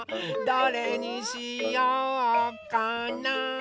どれにしようかな？